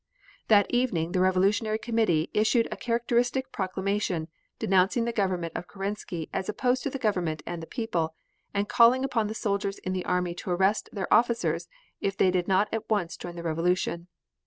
That evening the Revolutionary Committee issued a characteristic proclamation, denouncing the government of Kerensky as opposed to the government and the people, and calling upon the soldiers in the army to arrest their officers if they did not at once join the Revolution.